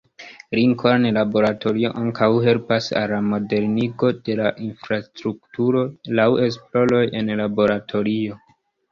Lincoln Laboratorio ankaŭ helpas al la modernigo de la infrastrukturo laŭ esploroj en laboratorio.